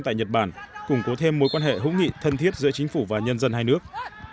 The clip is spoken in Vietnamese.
tại nhật bản củng cố thêm mối quan hệ hữu nghị thân thiết giữa chính phủ và nhân dân hai nước